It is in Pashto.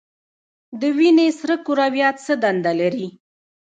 د وینې سره کرویات څه دنده لري؟